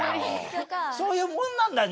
そういうもんなんだよ